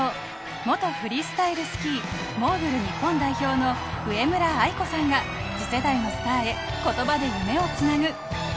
元フリースタイルスキー・モーグル日本代表の上村愛子さんが次世代のスターへ言葉で夢をつなぐ。